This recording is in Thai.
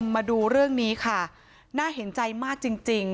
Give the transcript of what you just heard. มาดูเรื่องนี้ค่ะน่าเห็นใจมากจริง